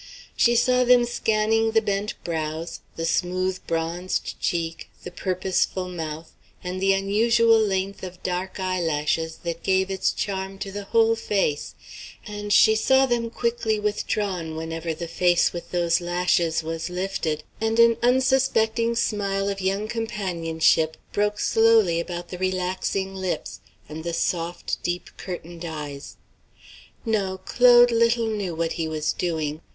She saw them scanning the bent brows, the smooth bronzed cheek, the purposeful mouth, and the unusual length of dark eyelashes that gave its charm to the whole face; and she saw them quickly withdrawn whenever the face with those lashes was lifted and an unsuspecting smile of young companionship broke slowly about the relaxing lips and the soft, deep curtained eyes. No; Claude little knew what he was doing.